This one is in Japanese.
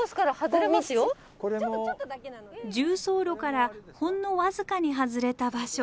縦走路からほんの僅かに外れた場所。